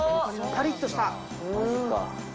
カリッとした。